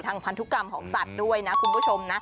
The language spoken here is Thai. พันธุกรรมของสัตว์ด้วยนะคุณผู้ชมนะ